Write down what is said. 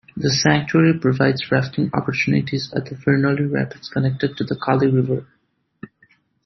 The sanctuary provides rafting opportunities at the Virnoli Rapids connected to the Kali River.